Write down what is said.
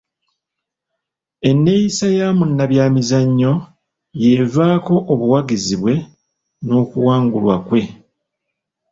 Enneeyisa ya munnabyamizannyo y'evaako obuwanguzi bwe n'okuwangulwa kwe.